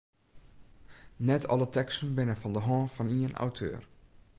Net alle teksten binne fan de hân fan ien auteur.